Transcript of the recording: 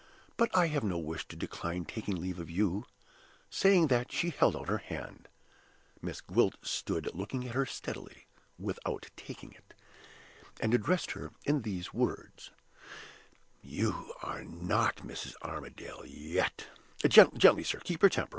But I have no wish to decline taking leave of you.' Saying that, she held out her hand. Miss Gwilt stood looking at her steadily, without taking it, and addressed her in these words: 'You are not Mrs. Armadale yet.' Gently, sir! Keep your temper.